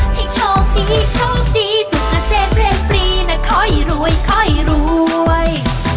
ให้ชอบดีชอบดีสุขเศษเรียนปรีนะคอยรวยคอยรวย